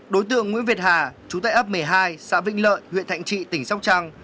đối tượng nguyễn việt hà chú tại ấp một mươi hai xã vĩnh lợi huyện thạnh trị tỉnh sóc trăng